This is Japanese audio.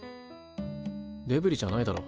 デブリじゃないだろ。